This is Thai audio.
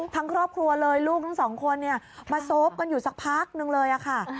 ครอบครัวเลยลูกทั้งสองคนมาโซฟกันอยู่สักพักนึงเลยค่ะ